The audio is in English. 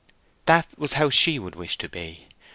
That was how she would wish to be.